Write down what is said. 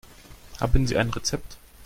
Haben Sie ein Rezept?